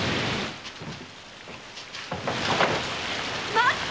待って！